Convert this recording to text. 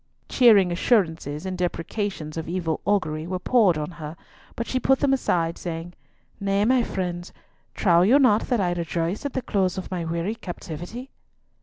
Cheering assurances and deprecations of evil augury were poured on her, but she put them aside, saying, "Nay, my friends, trow you not that I rejoice in the close of my weary captivity?"